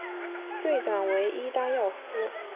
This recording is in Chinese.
队长为伊丹耀司。